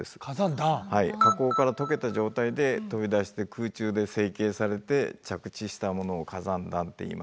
火口から溶けた状態で飛び出して空中で整形されて着地したものを火山弾っていいます。